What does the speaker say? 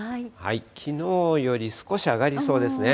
きのうより少し上がりそうですね。